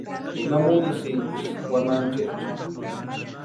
¿Namunisïnksï wanhanchecha?